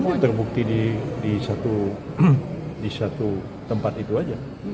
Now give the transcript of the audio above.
mungkin terbukti di satu tempat itu saja